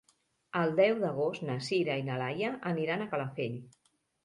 El deu d'agost na Sira i na Laia aniran a Calafell.